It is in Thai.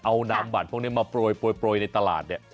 เอาน้ำบัตรพวกนี้มาโปรยในตลาดเนี่ย